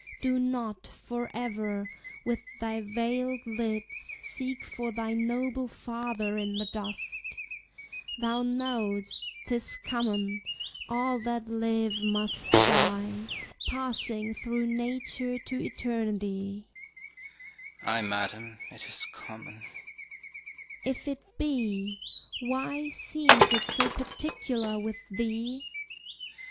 Do not, forever, with thy veiled lids Seek for thy noble father in the dust: Thou know'st 'tis common, all that live must die, Passing through nature to eternity. HAMLET. Ay, madam, it is common. QUEEN.